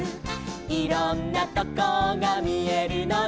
「いろんなとこがみえるので」